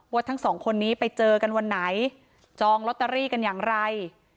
ว่าทั้งสองคนนี้ไปเจอกันวันไหนจองลอตเตอรี่กันอย่างไร